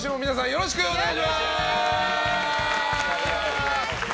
よろしくお願いします！